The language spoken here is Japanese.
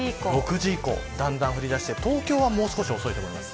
だんだん降り出して東京はもう少し遅いと思います。